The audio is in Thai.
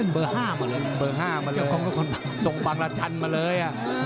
เบอร์๕มาเลยส่งบางละชันมาเลย